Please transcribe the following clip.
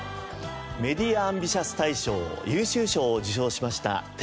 メディア・アンビシャス大賞優秀賞を受賞しました『テレメンタリー』。